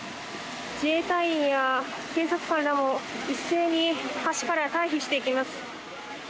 自衛隊員や警察官らも一斉に橋から退避していきます。